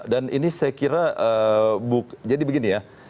dan ini saya kira jadi begini ya